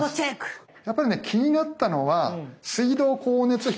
やっぱりね気になったのは水道光熱費の中のね電気代。